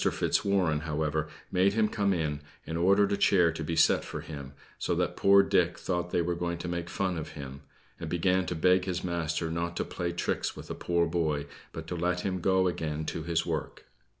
Fitzwarren, however, made him come in, and ordered a chair to be set for him, so that poor Dick thought they were making fun of him, and began to beg his master not to play tricks with a poor boy, but to let him go again to his work.